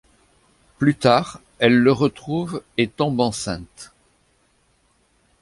Plus tard, elle le retrouve et tombe enceinte.